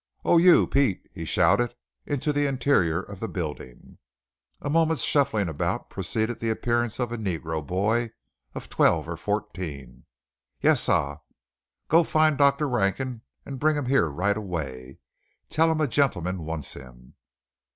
Oh, you Pete!" he shouted into the interior of the building. A moment's shuffling about preceded the appearance of a negro boy of twelve or fourteen. "Yes, sah." "Go find Dr. Rankin and bring him here right away. Tell him a gentleman wants him."